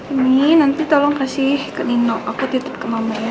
ini nanti tolong kasih ke nino aku titup ke mama ya